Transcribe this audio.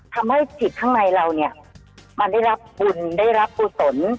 ทำให้จิตข้างในเราเนี่ยมันได้รับบุญได้รับกุศล